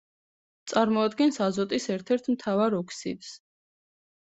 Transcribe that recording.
წარმოადგენს აზოტის ერთ-ერთ მთავარ ოქსიდს.